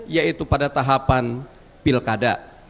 yaitu pada tahapan pilkada